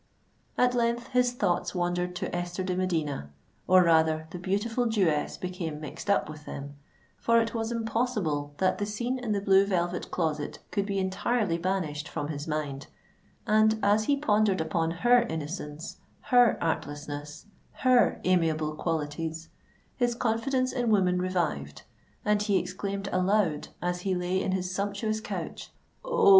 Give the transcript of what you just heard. At length his thoughts wandered to Esther de Medina—or rather, the beautiful Jewess became mixed up with them; for it was impossible that the scene in the Blue Velvet Closet could be entirely banished from his mind;—and, as he pondered upon her innocence—her artlessness—her amiable qualities, his confidence in woman revived, and he exclaimed aloud, as he lay in his sumptuous couch, "Oh!